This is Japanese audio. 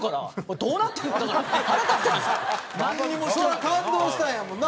それは感動したんやもんな。